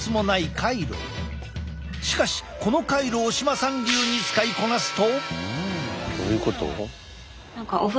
しかしこのカイロを嶋さん流に使いこなすと。